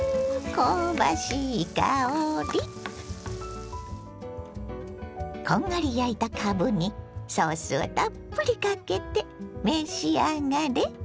こんがり焼いたかぶにソースをたっぷりかけて召し上がれ！